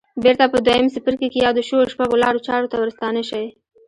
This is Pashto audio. بېرته په دويم څپرکي کې يادو شويو شپږو لارو چارو ته ورستانه شئ.